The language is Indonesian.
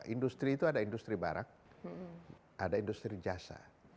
industri itu ada industri barak ada industri jasa